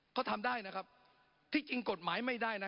เขาทำได้นะครับที่จริงกฎหมายไม่ได้นะ